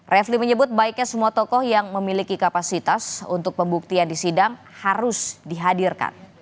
refli menyebut baiknya semua tokoh yang memiliki kapasitas untuk pembuktian di sidang harus dihadirkan